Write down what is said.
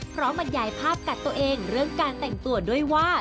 บรรยายภาพกัดตัวเองเรื่องการแต่งตัวด้วยว่า